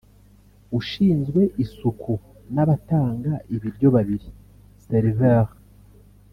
ushinzwe isuku n’abatanga ibiryo babiri (serveurs)